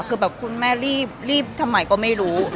คือแบบคุณแม่รีบทำไมก็ไม่รู้